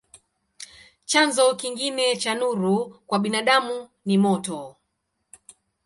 Chanzo kingine cha nuru kwa binadamu ni moto.